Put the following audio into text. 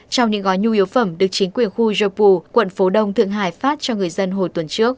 trong những gói nhu yếu phẩm được chính quyền khu jobu quận phố đông thượng hải phát cho người dân hồi tuần trước